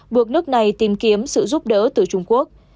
buộc nước này tìm kiếm sự giúp đỡ từ trung quốc